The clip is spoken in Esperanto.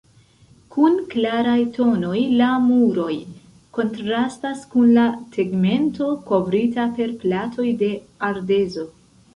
Kun klaraj tonoj, la muroj kontrastas kun la tegmento, kovrita per platoj de ardezo.